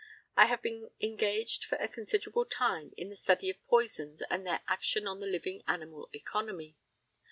I have been engaged for a considerable time in the study of poisons and their action on the living animal economy.